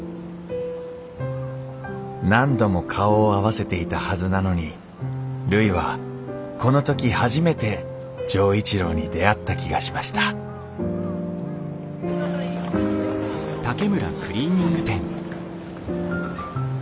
何度も顔を合わせていたはずなのにるいはこの時初めて錠一郎に出会った気がしましたあっ！